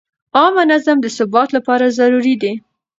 عامه نظم د ثبات لپاره ضروري دی.